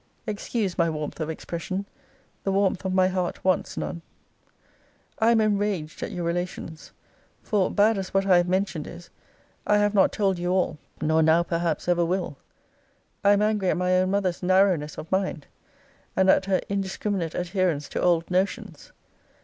Excuse my warmth of expression. The warmth of my heart wants none. I am enraged at your relations; for, bad as what I have mentioned is, I have not told you all; nor now, perhaps, ever will. I am angry at my own mother's narrowness of mind, and at her indiscriminate adherence to old notions.